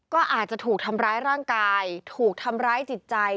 ก็อาจจะถูกทำร้ายร่างกายถูกทำร้ายจิตใจ